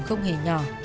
không hề nhỏ